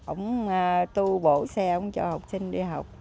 ông tu bổ xe cho học sinh đi học